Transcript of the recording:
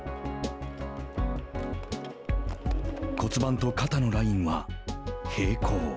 骨盤と肩のラインは平行。